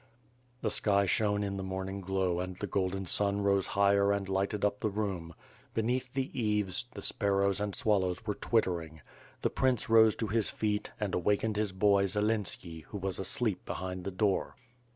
'' The sky shone in the morning glow and the golden sun rose higher and lighted up the room. Beneath the eaves, the sparrows and swallow^s were twittering. The prince rose to his feet and awakened his boy, Zelenski, who was asleep behind the door.